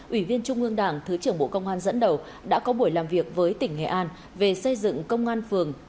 ủy viên trung ương đảng thứ trưởng bộ công an dẫn đầu đã có buổi làm việc với tỉnh nghệ an về xây dựng công an phường